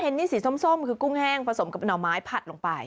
เห็นนี่สีส้มคือกุ้งแห้งผสมกับหน่อไม้ผัดลงไป